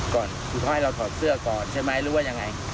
คุณพ่อให้เราถอดเสื้อก่อนใช่ไหมหรือว่ายังไง